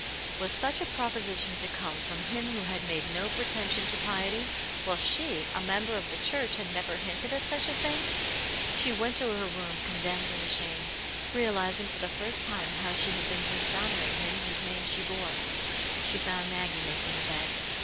Was such a proposition to come from him who had made no pretension to piety, while she, a member of the church, had never hinted at such a thing ? She went to her room condemned and ashamed, realizing for the first time how she had been dishonouring Him whose name she bore. She found Maggie making the bed.